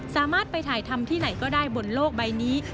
สามารถไปถ่ายทำที่ไหนก็ได้บนโลกใบนี้